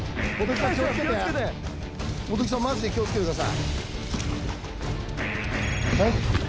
元木さん、マジで気をつけてください。